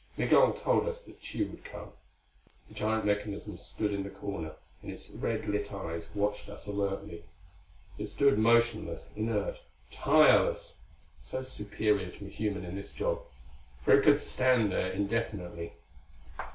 Migul told us that Tugh would come. The giant mechanism stood in the corner, and its red lit eyes watched us alertly. It stood motionless, inert, tireless so superior to a human in this job, for it could stand there indefinitely.